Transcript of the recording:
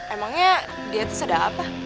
emangnya di atas ada apa